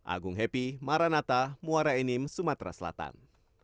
agung happy maranata muara enim sumatera selatan